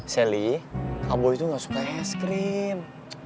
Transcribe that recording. sally kak boy tuh gak suka ice cream